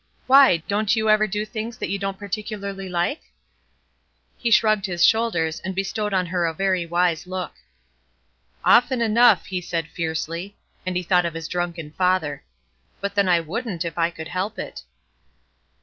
Why? Don't you ever do things that you don't particularly like?" He shrugged his shoulders, and bestowed on her a very wise look. "Often enough," he said fiercely, and he thought of his drunken father. "But then I wouldn't if I could help it."